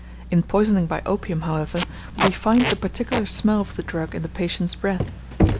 In poisoning by opium, however, we find the particular smell of the drug in the patient's breath.